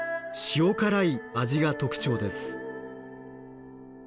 塩辛い味が特徴です。